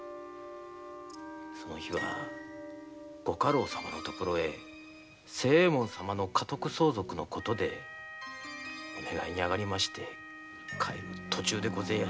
その日は御家老様の所へ清右衛門様の家督相続の事でお願いに上がり帰る途中でした。